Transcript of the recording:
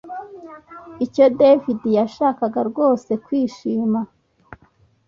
Icyo David yashakaga rwose kwishima